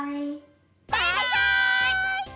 バイバイ！